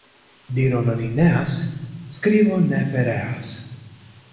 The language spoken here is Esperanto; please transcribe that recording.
Diron oni neas, skribo ne pereas.